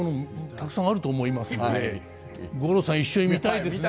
たくさんあると思いますので五郎さん一緒に見たいですね。